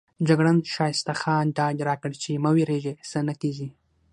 جګړن ښایسته خان ډاډ راکړ چې مه وېرېږئ څه نه کېږي.